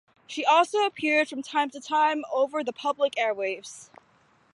She also appeared from time to time over the public airwaves.